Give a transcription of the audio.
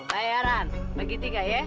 hai aran begitiga ya